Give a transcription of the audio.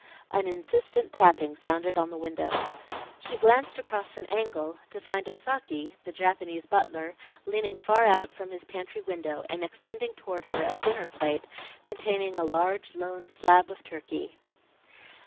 An insistent tapping sounded on the window. She glanced across an angle, to find Osaki, the Japanese butler, leaning far out from his pantry window, and extending toward her a dinner plate containing a large, lone slab of turkey.